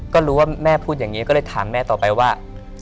ก็รู้ว่าแม่พูดอย่างนี้ก็เลยถามแม่ต่อไปว่า